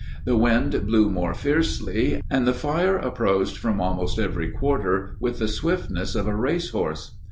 The wind blew more fiercely, and the fire approached from almost every quarter with the swiftness of a race horse.